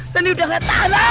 sani udah gak tau